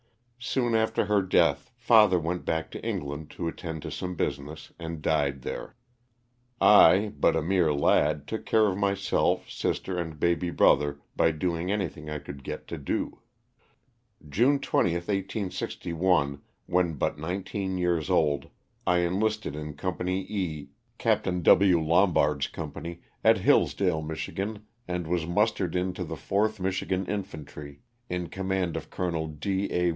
Soon after her death father went back to England to attend to some business and died there. I, but a mere lad, took care of myself, sister and baby brother by do ing anything I could get to do. June 20, 1861, when but nineteen years old, I en listed in Company E, Capt. W. Lombard's company, at Hillsdale, Mich., and was mustered into the 4th Michigan Infantry, in command of Col. D. A.